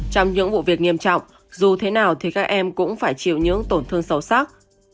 trong những vụ việc nghiêm trọng dù thế nào thì các em cũng phải chịu những tổn thương sâu sắc